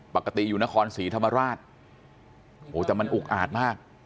ปกติอยู่นครศรีธรรมราชโอ้โหแต่มันอุกอาดมาก